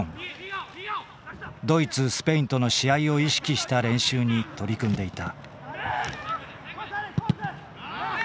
ドイツスペインとの試合を意識した練習に取り組んでいた。